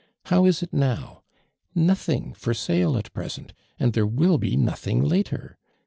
Ifow is it now ? Nothing for sale ut present, and there will lie nothing later